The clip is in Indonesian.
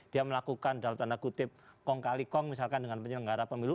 dia melakukan dalam tanda kutip kong kali kong misalkan dengan penyelenggara pemilu